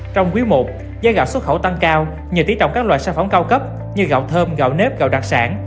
trong quý i giá gạo xuất khẩu tăng cao nhờ tỉ trọng các loại sản phẩm cao cấp như gạo thơm gạo nếp gạo đặc sản